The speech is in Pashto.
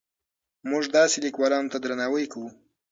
موږ داسې لیکوالانو ته درناوی کوو.